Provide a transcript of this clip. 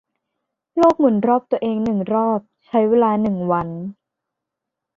โลกหมุนรอบตัวเองหนึ่งรอบใช้เวลาหนึ่งวัน